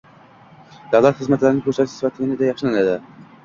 Davlat xizmatlari ko‘rsatish sifati yanada yaxshilanadi